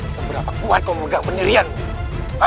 seberapa kuat kau melegang pendirianmu